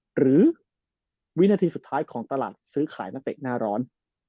หรือวินาทีสุดท้ายของตลาดซื้อขายนักเตะหน้าร้อน